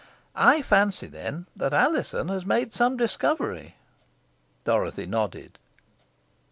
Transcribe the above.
I fancy, then, that Alizon has made some discovery." Dorothy nodded.